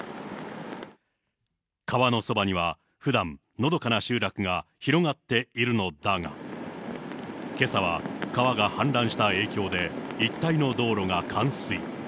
川のそばにはふだん、のどかな集落が広がっているのだが、けさは川が氾濫した影響で、一帯の道路が冠水。